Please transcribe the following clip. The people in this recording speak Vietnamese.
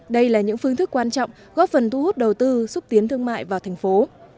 đây là những phương thức quan trọng góp phần thu hút đầu tư xúc tiến thương mại vào thành phố